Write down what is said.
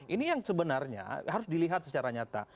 ini yang sebenarnya harus dilihat secara nyata